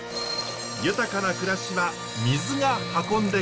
豊かな暮らしは水が運んでくれます。